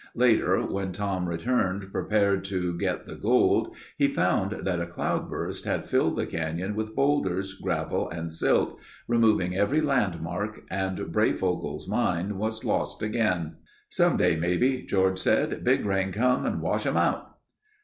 Later when Tom returned prepared to get the gold he found that a cloudburst had filled the canyon with boulders, gravel and silt, removing every landmark and Breyfogle's mine was lost again. "Some day maybe," George said, "big rain come and wash um out."